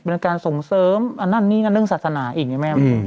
เป็นการส่งเสริมอันนั้นนี่นั่นเรื่องศาสนาอีกไงแม่